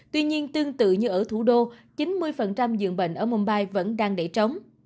tuy nhiên tương tự như ở thủ đô chín mươi dường bệnh ở mumbai vẫn đang để trống